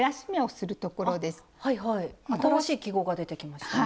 新しい記号が出てきました。